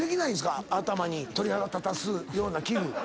頭に鳥肌立たすような器具。